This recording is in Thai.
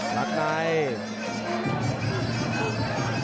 กลับไหน